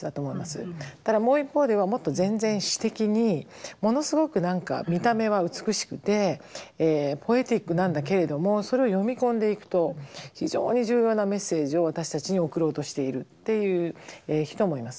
ただもう一方ではもっと全然詩的にものすごく何か見た目は美しくてポエティックなんだけれどもそれを読み込んでいくと非常に重要なメッセージを私たちに送ろうとしているっていう人もいます。